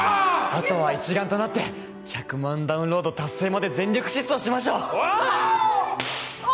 あとは一丸となって１００万ダウンロード達成まで全力疾走しましょうおお！